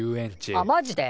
あマジで。